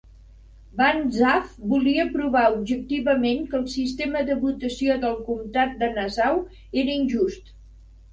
Banzhaf volia provar objectivament que el sistema de votació del Comtat de Nassau era injust.